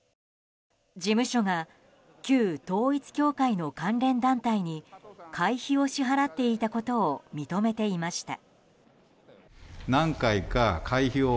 事務所が旧統一教会の関連団体に会費を支払っていたことを認めていました。